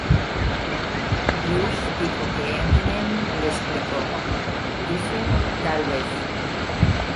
Bruce dijo que Eminem le explicó, ""Dice 'tal vez'.